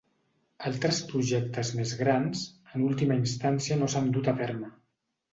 Altres projectes més grans, en última instància no s'han dut a terme.